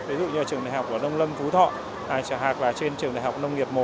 ví dụ như là trường đại học của nông lâm phú thọ hạc và trên trường đại học nông nghiệp một